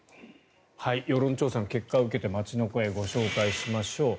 世論調査の結果を受けて街の声をご紹介しましょう。